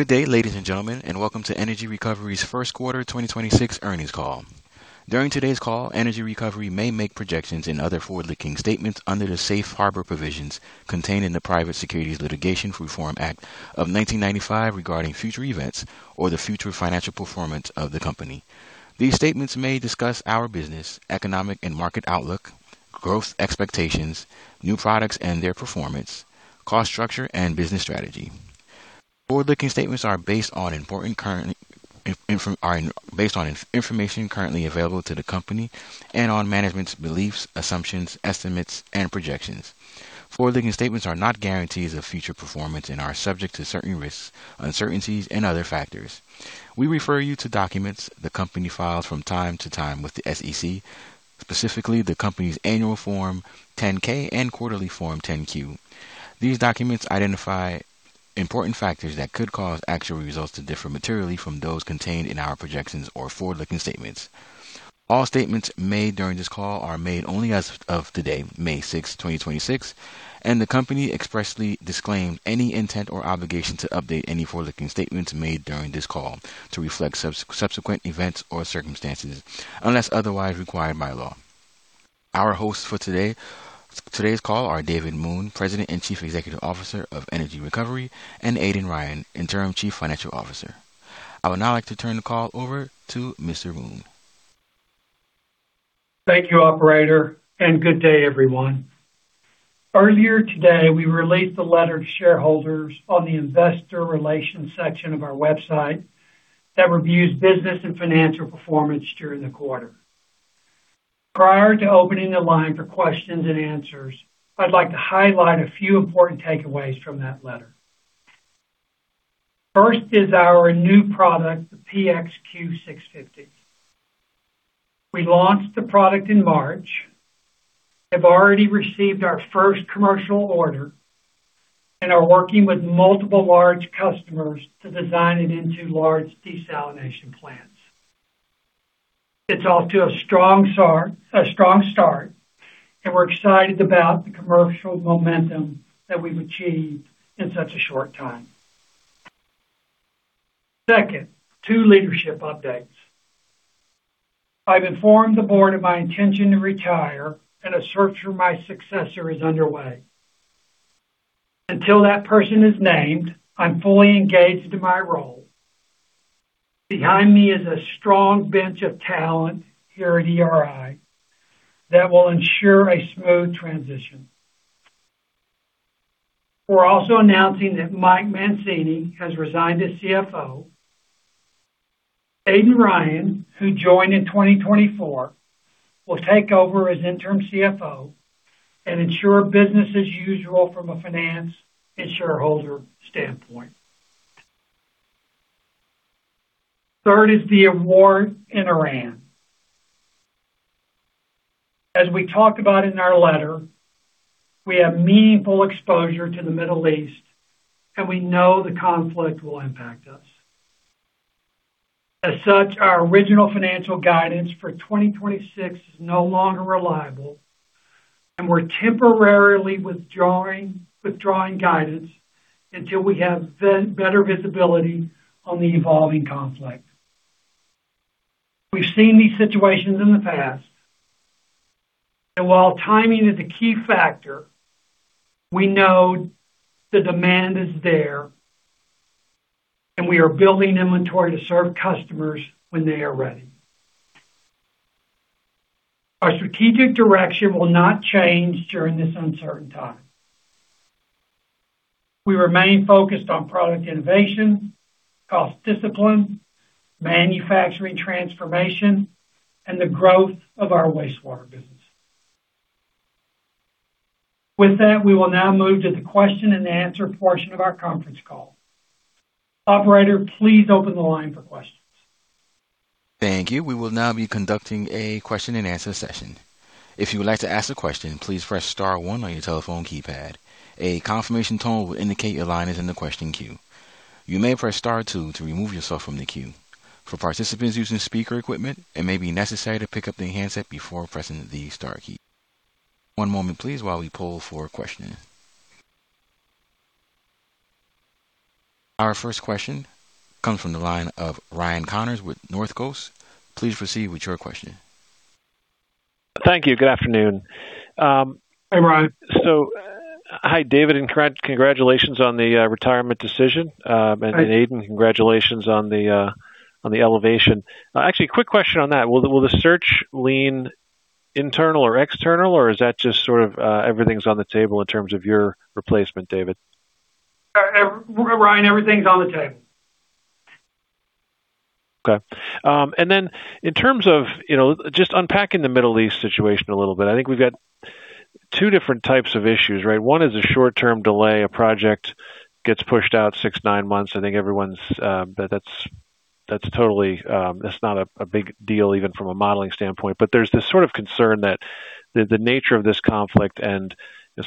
Good day, ladies and gentlemen, welcome to Energy Recovery's first quarter 2026 earnings call. During today's call, Energy Recovery may make projections and other forward-looking statements under the safe harbor provisions contained in the Private Securities Litigation Reform Act of 1995 regarding future events or the future financial performance of the company. These statements may discuss our business, economic and market outlook, growth expectations, new products and their performance, cost structure and business strategy. Forward-looking statements are based on important current information currently available to the company and on management's beliefs, assumptions, estimates, and projections. Forward-looking statements are not guarantees of future performance and are subject to certain risks, uncertainties and other factors. We refer you to documents the company files from time to time with the SEC, specifically the company's annual Form 10-K and quarterly Form 10-Q. These documents identify important factors that could cause actual results to differ materially from those contained in our projections or forward-looking statements. All statements made during this call are made only as of today, May 6, 2026, and the company expressly disclaims any intent or obligation to update any forward-looking statements made during this call to reflect subsequent events or circumstances, unless otherwise required by law. Our hosts for today's call are David Moon, President and Chief Executive Officer of Energy Recovery, and Aidan Ryan, Interim Chief Financial Officer. I would now like to turn the call over to Mr. Moon. Thank you, operator, and good day, everyone. Earlier today, we released a letter to shareholders on the investor relations section of our website that reviews business and financial performance during the quarter. Prior to opening the line for questions and answers, I'd like to highlight a few important takeaways from that letter. First is our new product, the PX Q650. We launched the product in March, have already received our first commercial order, and are working with multiple large customers to design it into large desalination plants. It's off to a strong start, and we're excited about the commercial momentum that we've achieved in such a short time. Second, two leadership updates. I've informed the board of my intention to retire and a search for my successor is underway. Until that person is named, I'm fully engaged in my role. Behind me is a strong bench of talent here at ERII that will ensure a smooth transition. We're also announcing that Mike Mancini has resigned as CFO. Aidan Ryan, who joined in 2024, will take over as interim CFO and ensure business as usual from a finance and shareholder standpoint. Third is the award in Iran. As we talked about in our letter, we have meaningful exposure to the Middle East, and we know the conflict will impact us. As such, our original financial guidance for 2026 is no longer reliable, and we're temporarily withdrawing guidance until we have better visibility on the evolving conflict. We've seen these situations in the past, and while timing is a key factor, we know the demand is there, and we are building inventory to serve customers when they are ready. Our strategic direction will not change during this uncertain time. We remain focused on product innovation, cost discipline, manufacturing transformation, and the growth of our wastewater business. With that, we will now move to the question and answer portion of our conference call. Operator, please open the line for questions. Thank you. We will now be conducting a question and answer session. If you would like to ask a question, please press star one on your telephone keypad. A confirmation tone will indicate your line is in the question queue. You may press star two to remove yourself from the queue. For participants using speaker equipment, it may be necessary to pick up the handset before pressing the star key. One moment please while we poll for a question. Our first question comes from the line of Ryan Connors with Northcoast. Please proceed with your question. Thank you. Good afternoon. Hey, Ryan. Hi, David, and congratulations on the retirement decision. Aidan, congratulations on the elevation. Actually, quick question on that. Will the search lean internal or external, or is that just sort of everything's on the table in terms of your replacement, David? Ryan, everything's on the table. Okay. In terms of, you know, just unpacking the Middle East situation a little bit. I think we've got two different types of issues, right? One is a short-term delay. A project gets pushed out six, 9 months. I think everyone's, that's totally, that's not a big deal even from a modeling standpoint. There's this sort of concern that the nature of this conflict and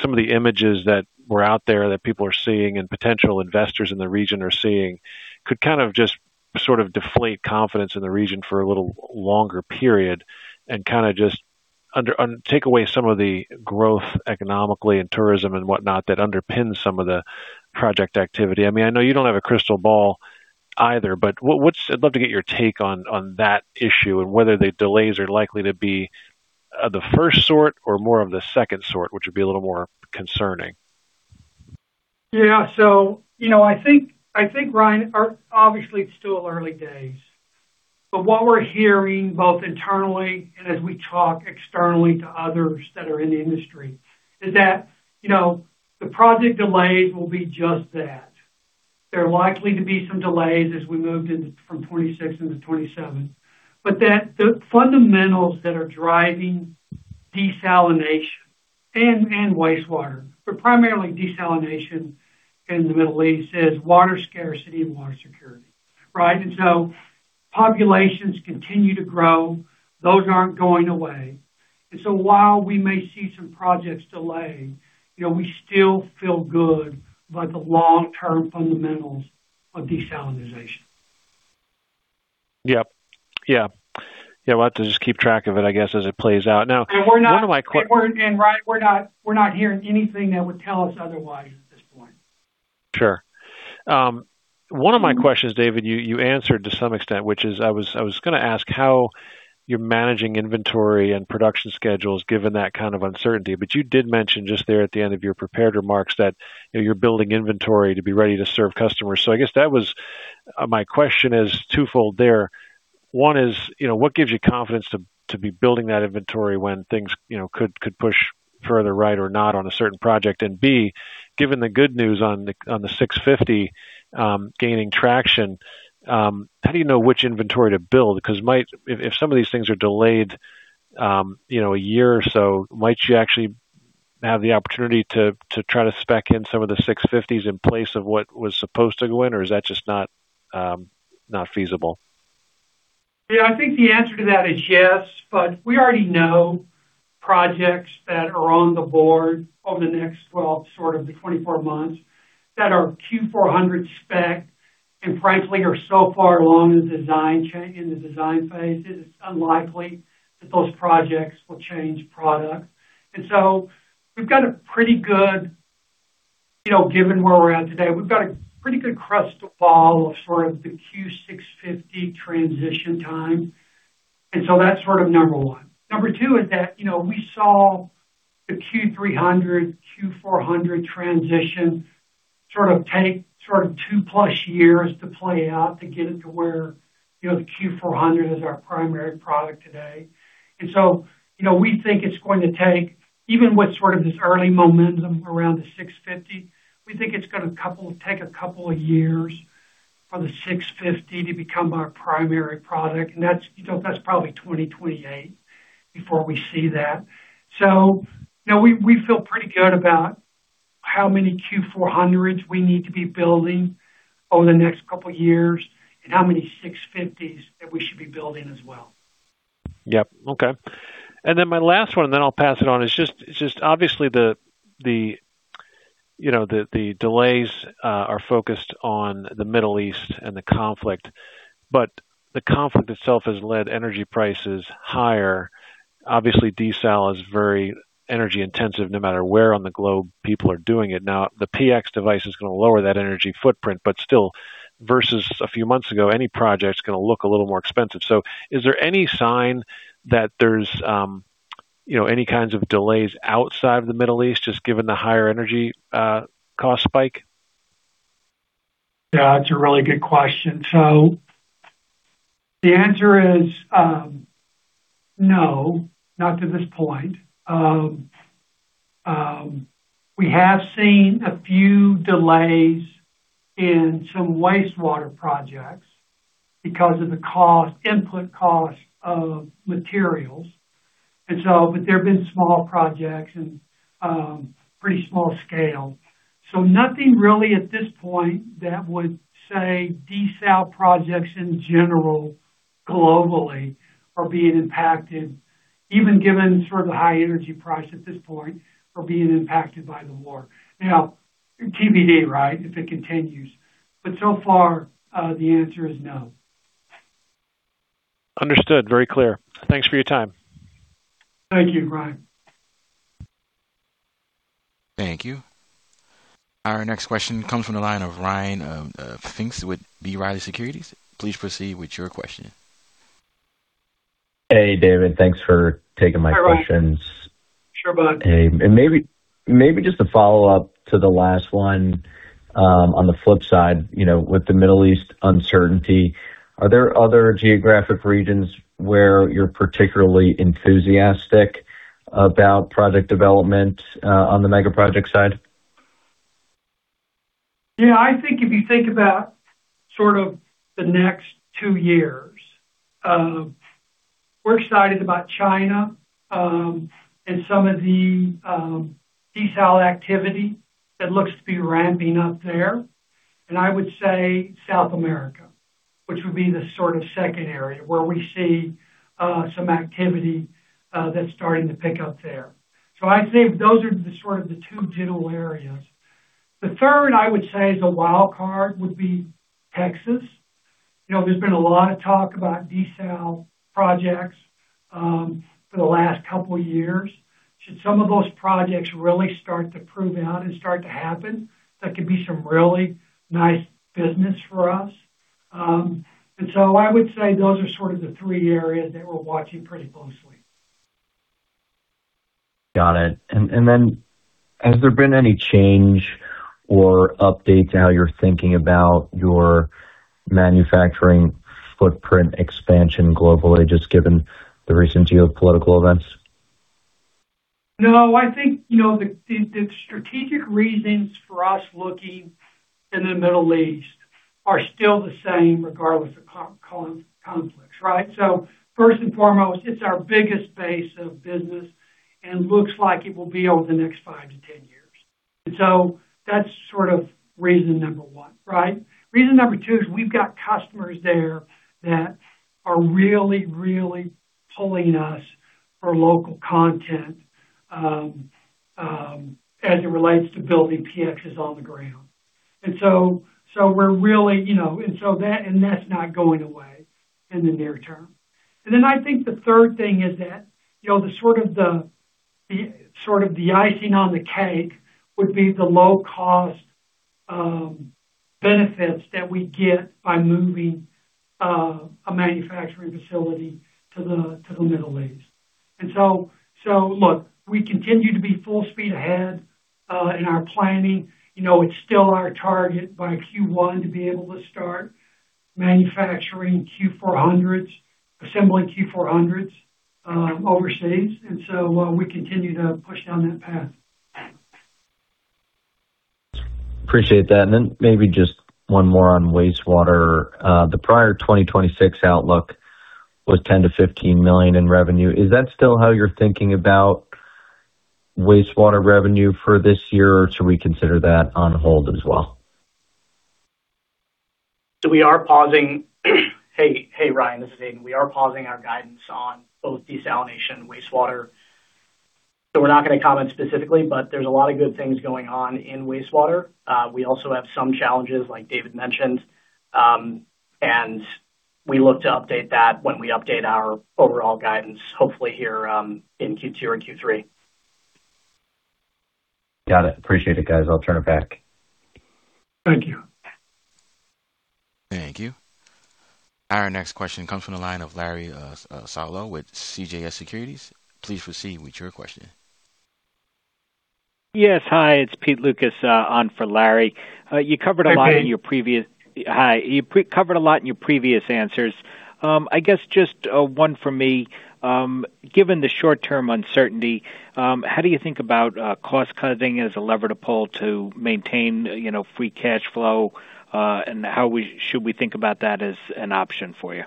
some of the images that were out there that people are seeing and potential investors in the region are seeing could kind of just sort of deflate confidence in the region for a little longer period and kind of just, take away some of the growth economically and tourism and whatnot that underpins some of the project activity. I mean, I know you don't have a crystal ball either, but what's, I'd love to get your take on that issue whether the delays are likely to be the first sort or more of the second sort, which would be a little more concerning. Yeah. You know, I think, I think Ryan are obviously it's still early days, but what we're hearing both internally and as we talk externally to others that are in the industry is that, you know, the project delays will be just that. There are likely to be some delays as we move from 2026 into 2027. That the fundamentals that are driving desalination and wastewater, but primarily desalination in the Middle East is water scarcity and water security, right? Populations continue to grow. Those aren't going away. While we may see some projects delay, you know, we still feel good about the long-term fundamentals of desalination. Yep. Yeah. Yeah, we'll have to just keep track of it, I guess, as it plays out now— We're not, Ryan, we're not hearing anything that would tell us otherwise at this point. Sure. One of my questions, David, you answered to some extent, which is I was, I was gonna ask how you're managing inventory and production schedules given that kind of uncertainty. You did mention just there at the end of your prepared remarks that, you know, you're building inventory to be ready to serve customers. I guess that was, my question is twofold there. One is, you know, what gives you confidence to be building that inventory when things, you know, could push further right or not on a certain project? B, given the good news on the, on the Q650 gaining traction, how do you know which inventory to build? Because it might, if some of these things are delayed, you know, a year or so, might you actually have the opportunity to try to spec in some of the Q650s in place of what was supposed to go in, or is that just not feasible? Yeah, I think the answer to that is yes, but we already know projects that are on the board over the next 12 sort of the 24 months that are Q400 spec and frankly are so far along in the design phases, it's unlikely that those projects will change product. We've got a pretty good, you know, given where we're at today, we've got a pretty good crystal ball of sort of the Q650 transition time. That's sort of number one. Number two is that, you know, we saw the Q300, Q400 transition sort of take sort of two-plus years to play out to get it to where, you know, the Q400 is our primary product today. You know, we think it's going to take, even with sort of this early momentum around the Q650, we think it's gonna couple take a couple of years for the Q650 to become our primary product. That's, you know, that's probably 2028 before we see that. You know, we feel pretty good about how many Q400s we need to be building over the next couple of years and how many Q650s that we should be building as well. Yep. Okay. My last one, and then I'll pass it on, is just obviously the, you know, the delays, are focused on the Middle East and the conflict, but the conflict itself has led energy prices higher. Obviously, desal is very energy intensive, no matter where on the globe people are doing it. Now, the PX device is gonna lower that energy footprint, but still, versus a few months ago, any project's gonna look a little more expensive. Is there any sign that there's, you know, any kinds of delays outside of the Middle East, just given the higher energy, cost spike? Yeah, that's a really good question. The answer is, no, not to this point. We have seen a few delays in some wastewater projects because of the cost, input cost of materials, but they've been small projects and pretty small scale. Nothing really at this point that would say desal projects in general globally are being impacted, even given sort of the high energy price at this point, are being impacted by the war. Now, TBD, right? If it continues. So far, the answer is no. Understood. Very clear. Thanks for your time. Thank you, Ryan. Thank you. Our next question comes from the line of Ryan Pfingst with B. Riley Securities. Please proceed with your question. Hey, David. Thanks for taking my questions. Hi, Ryan. Sure bud. Hey. Maybe just a follow-up to the last one. On the flip side, you know, with the Middle East uncertainty, are there other geographic regions where you're particularly enthusiastic about project development on the mega project side? Yeah. I think if you think about sort of the next two years, we're excited about China, and some of the desal activity that looks to be ramping up there. I would say South America, which would be the sort of second area where we see some activity that's starting to pick up there. I'd say those are the sort of the two general areas. The 3rd I would say is a wild card would be Texas. You know, there's been a lot of talk about desal projects for the last couple years. Should some of those projects really start to prove out and start to happen, that could be some really nice business for us. I would say those are sort of the three areas that we're watching pretty closely. Got it. Has there been any change or updates how you're thinking about your manufacturing footprint expansion globally, just given the recent geopolitical events? No. I think, you know, the strategic reasons for us looking in the Middle East are still the same regardless of conflicts, right? First and foremost, it's our biggest base of business and looks like it will be over the next five to 10 years. That's sort of reason number one, right? Reason number two is we've got customers there that are really, really pulling us for local content as it relates to building PXs on the ground. We're really, you know, that's not going away in the near term. Then, I think the third thing is that, you know, the sort of the, sort of the icing on the cake would be the low cost benefits that we get by moving a manufacturing facility to the Middle East. Look, we continue to be full speed ahead, in our planning. You know, it's still our target by Q1 to be able to start manufacturing Q400s, assembling Q400s, overseas. We continue to push down that path. Appreciate that. Maybe just one more on wastewater. The prior 2026 outlook was $10 million-$15 million in revenue. Is that still how you're thinking about wastewater revenue for this year, or should we consider that on hold as well? We are pausing. Hey, hey Ryan, this is Aidan. We are pausing our guidance on both desalination and wastewater. We're not gonna comment specifically, but there's a lot of good things going on in wastewater. We also have some challenges, like David mentioned. We look to update that when we update our overall guidance, hopefully here, in Q2 or Q3. Got it. Appreciate it, guys. I'll turn it back. Thank you. Thank you. Our next question comes from the line of Larry Solow with CJS Securities. Please proceed with your question. Yes. Hi, it's Pete Lukas, on for Larry. You covered a lot— Hi, Pete. in your previous, hi. You covered a lot in your previous answers. I guess just one from me. Given the short-term uncertainty, how do you think about cost-cutting as a lever to pull to maintain, you know, free cash flow? How should we think about that as an option for you?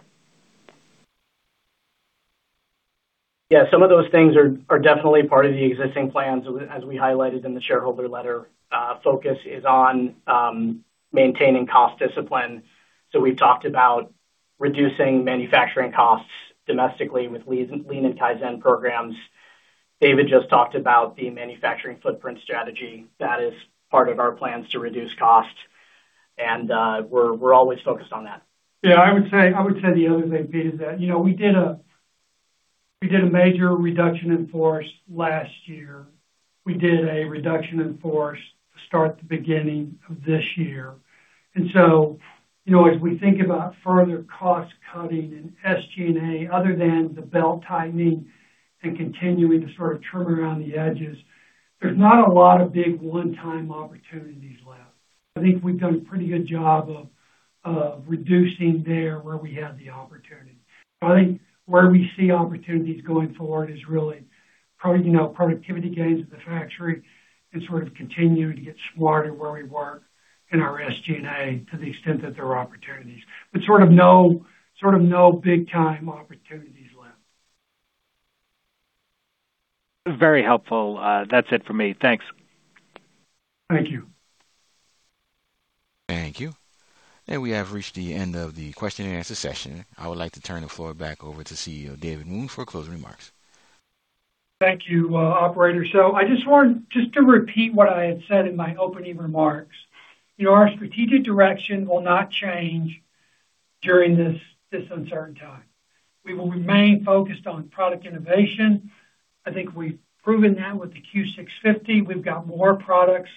Yeah, some of those things are definitely part of the existing plans. As we highlighted in the shareholder letter, focus is on maintaining cost discipline. We've talked about reducing manufacturing costs domestically with lean and kaizen programs. David just talked about the manufacturing footprint strategy. That is part of our plans to reduce cost and we're always focused on that. I would say the other thing, Pete, is that, you know, we did a major reduction in force last year. We did a reduction in force to start the beginning of this year. You know, as we think about further cost-cutting and SG&A, other than the belt-tightening and continuing to sort of trim around the edges, there's not a lot of big one-time opportunities left. I think we've done a pretty good job of reducing there where we had the opportunity. I think where we see opportunities going forward is really, you know, productivity gains at the factory and sort of continuing to get smarter where we work in our SG&A to the extent that there are opportunities. Sort of no big time opportunities left. Very helpful. That's it for me. Thanks. Thank you. Thank you. We have reached the end of the question and answer session. I would like to turn the floor back over to CEO David Moon for closing remarks. Thank you, operator. I just want to still repeat what I had said in my opening remarks. You know, our strategic direction will not change during this uncertain time. We will remain focused on product innovation. I think we've proven that with the Q650. We've got more products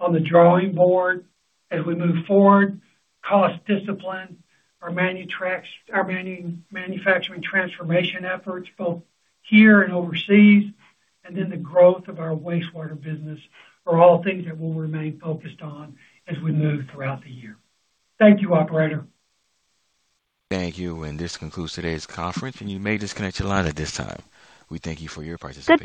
on the drawing board as we move forward. Cost discipline, or many tracks, our manufacturing transformation efforts both here and overseas, and then the growth of our wastewater business are all things that we'll remain focused on as we move throughout the year. Thank you, operator. Thank you. This concludes today's conference, and you may disconnect your line at this time. We thank you for your participation.